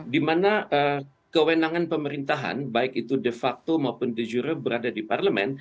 dimana kewenangan pemerintahan baik itu de facto maupun de jure berada di parlemen